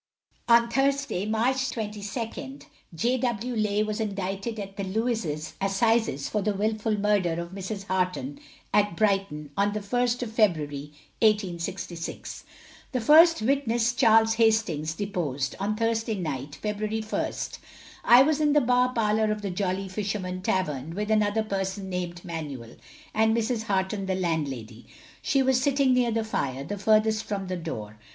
On Thursday, March 22nd, J. W. Leigh was indicted at the Lewes assizes for the wilful murder of Mrs. Harton, at Brighton, on the 1st of February, 1866. The first witness, Charles Hastings, deposed On Thursday night, February 1st, I was in the bar parlour of the Jolly Fisherman tavern with another person named Manuel, and Mrs. Harton, the landlady. She was sitting near the fire, and furthest from the door.